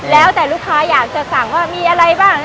แล้วแต่ลูกค้าอยากจะสั่งว่ามีอะไรบ้าง